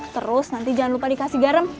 terus nanti jangan lupa dikasih garam